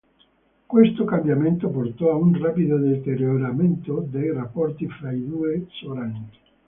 Questo cambiamento portò a un rapido deterioramento dei rapporti fra i due sovrani.